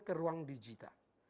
ke ruang digital